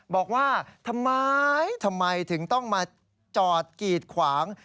บอกว่าทำไมทำไมถึงต้องมาจอดกีดขวาง